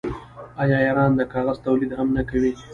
آیا ایران د کاغذ تولید هم نه کوي؟